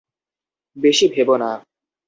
বেশি ভেবো না।